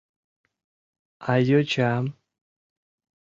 А йочам?